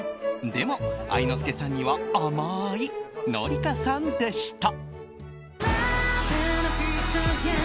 でも、愛之助さんには甘ーい紀香さんでした。